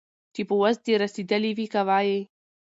چي په وس دي رسېدلي وي كوه يې